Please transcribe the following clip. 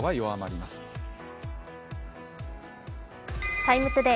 「ＴＩＭＥ，ＴＯＤＡＹ」